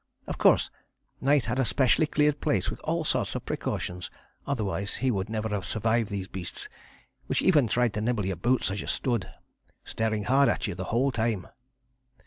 Of course, Knight had a specially cleared place with all sorts of precautions, otherwise he would never have survived these beasts, which even tried to nibble your boots as you stood staring hard at you the whole time.